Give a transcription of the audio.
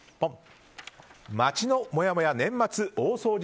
街のもやもや大掃除